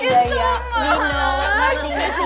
tunggu pak ramon